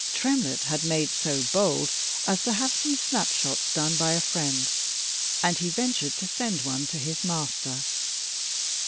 Tremlett had "made so bold" as to have some snapshots done by a friend, and he ventured to send one to his master.